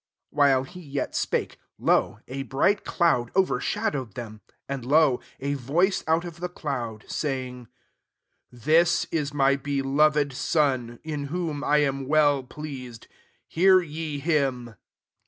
'' 5 While he yet spake, lo ! a bright cloud overshadow ed them : and, lo ! a voice out of the cloud, saying, " This is my beloved Son, in whom I am well pleased : hear ye him."